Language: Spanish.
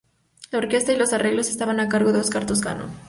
La orquesta y los arreglos estaban a cargo de Oscar Toscano.